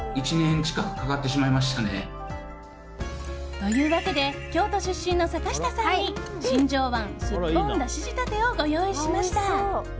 というわけで京都出身の坂下さんにしんじょう椀すっぽん出汁仕立てをご用意しました。